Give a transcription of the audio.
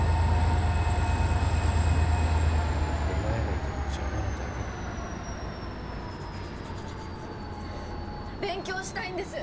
お前がいても邪魔なだけだ勉強したいんです